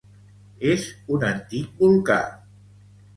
És un antic volcà.